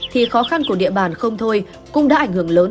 thì khó khăn của địa bàn không thôi cũng đã ảnh hưởng lớn